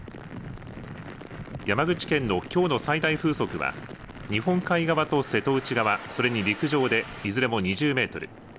山口県のきょうの最大風速は日本海側と瀬戸内側それに陸上でいずれも２０メートル